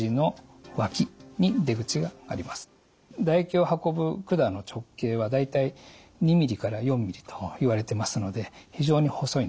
唾液を運ぶ管の直径は大体２ｍｍから４ｍｍといわれてますので非常に細いんです。